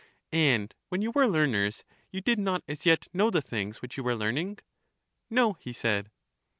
And when you were learners you did not as yet know the things which you were learning? No, he said.